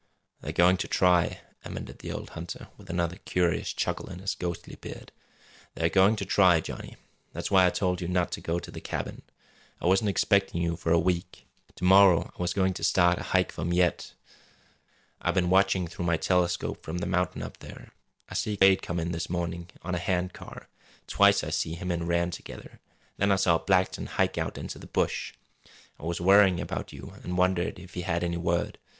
"They're goin' to try," amended the old hunter, with another curious chuckle in his ghostly beard. "They're goin' to try, Johnny. That's why I told you not to go to the cabin. I wasn't expecting you for a week. To morrow I was goin' to start on a hike for Miette. I been watching through my telescope from the mountain up there. I see Quade come in this morning on a hand car. Twice I see him and Rann together. Then I saw Blackton hike out into the bush. I was worrying about you an' wondered if he had any word.